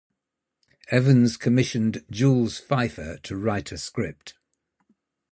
Evans commissioned Jules Feiffer to write a script.